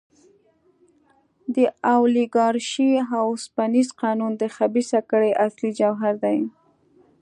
د اولیګارشۍ اوسپنیز قانون د خبیثه کړۍ اصلي جوهر دی.